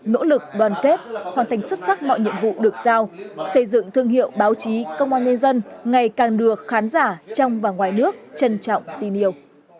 nỗ lực đoàn kết hoàn thành xuất sắc mọi nhiệm vụ được giao xây dựng thương hiệu báo chí công an nhân dân ngày càng được khán giả trong và ngoài nước trân trọng tin yêu